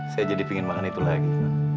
saya jadi pingin makan itu lagi